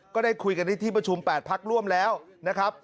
ก็ได้คุยกันในที่ประชุม๘พักร่วมแล้วนะครับ